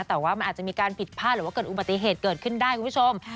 แต่ว่ามันอาจจะมีการผิดพลาดหรือว่าเกิดอุบัติเหตุเกิดขึ้นได้คุณผู้ชม